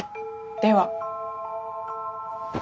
では。